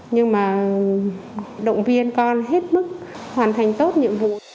nhưng mà động viên con hết bức hoàn thành tốt nhiệm vụ